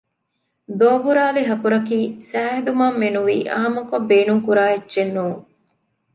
ދޯބުރާލި ހަކުރަކީ ސައިހެދުމަށް މެނުވީ އާންމުކޮށް ބޭނުން ކުރާ އެއްޗެއް ނޫން